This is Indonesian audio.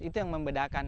itu yang membedakan